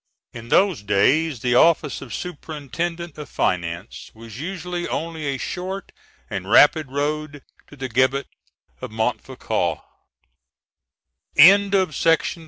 In those days the office of superintendent of finance was usually only a short and rapid road to the gibbet of Montfaucon.